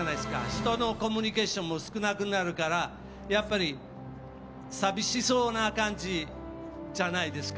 人とコミュニケーションも少なくなるからやっぱり寂しそうな感じじゃないですか。